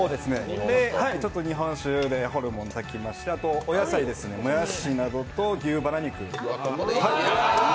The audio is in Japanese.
日本酒でホルモン炊きましてお野菜、もやしなどと牛バラ肉。